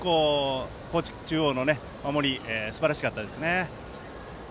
高知中央の守りすばらしかったですね。